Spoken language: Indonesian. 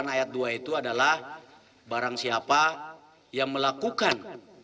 delapan ayat dua itu adalah barang siapa yang melakukan